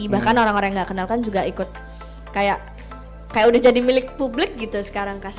bahkan orang orang yang gak kenal kan juga ikut kayak udah jadi milik publik gitu sekarang